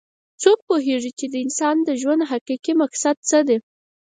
څوک پوهیږي چې د انسان د ژوند حقیقي مقصد څه ده